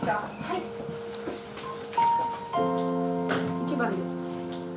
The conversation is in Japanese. １番です。